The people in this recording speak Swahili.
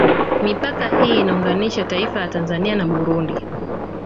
Mipaka hii inaunganisha taifa la Tanzania na Burundi